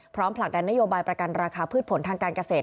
ผลักดันนโยบายประกันราคาพืชผลทางการเกษตร